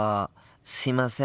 すいません。